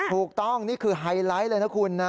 ถูกต้องนี่คือไฮไลท์เลยนะคุณนะ